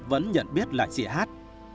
vẫn nhận biết là chị hát